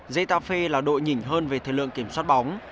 zetafe là đội nhìn hơn về thời lượng kiểm soát bóng